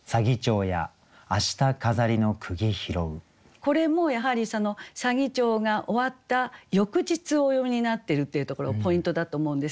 これもやはり左義長が終わった翌日をお詠みになってるっていうところポイントだと思うんです。